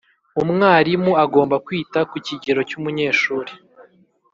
umwarimu agomba kwita ku kigero cy’umunyeshuri